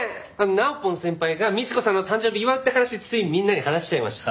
なおぽん先輩が倫子さんの誕生日祝うって話ついみんなに話しちゃいました。